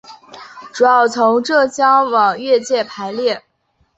主要从浙界往粤界排列。